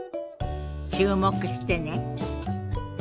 注目してね。